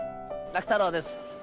楽太郎です。